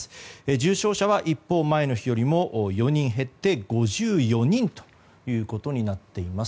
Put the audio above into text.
重症者は一方前の日よりも４人減って５４人ということになっています。